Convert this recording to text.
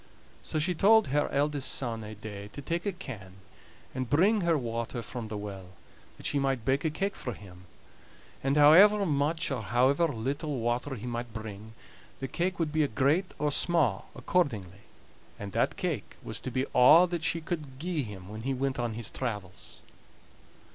So she told her eldest son ae day to take a can and bring her water from the well, that she might bake a cake for him; and however much or however little water he might bring, the cake would be great or sma' accordingly; and that cake was to be a' that she could gie him when he went on his travels.